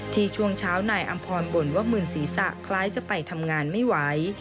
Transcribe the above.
ช่วงเช้านายอำพรบ่นว่ามืนศีรษะคล้ายจะไปทำงานไม่ไหว